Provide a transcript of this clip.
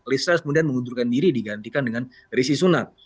list trust kemudian mengundurkan diri digantikan dengan resi sunak